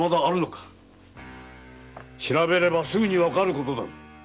調べればすぐにわかることだぞ。